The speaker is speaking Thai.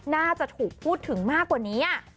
น่าจะถูกพูดถึงมากกว่านี้